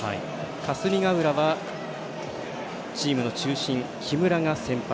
霞ヶ浦はチームの中心木村が先発。